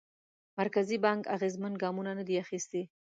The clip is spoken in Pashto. مرکزي بانک اغېزمن ګامونه ندي اخیستي.